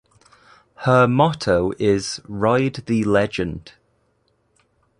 Her motto is "Ride the Legend".